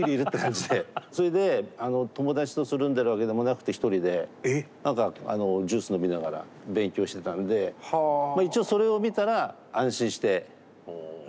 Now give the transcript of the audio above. それで友達とつるんでるわけでもなくて１人で何かジュース飲みながら勉強してたんでまあ一応それを見たら安心して帰ってきて寝て。